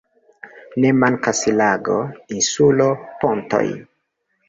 Ne mankas lago, insulo, pontoj.